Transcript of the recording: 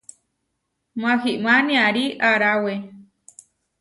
Mahimá niarí aráwe.